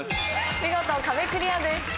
見事壁クリアです。